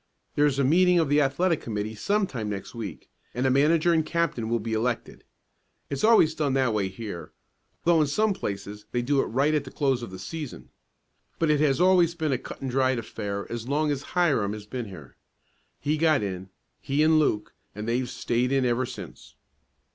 "There is a meeting of the athletic committee some time next week, and a manager and captain will be elected. It's always done that way here, though in some places they do it right at the close of the season. But it has always been a cut and dried affair as long as Hiram has been here. He got in he and Luke and they've stayed in ever since."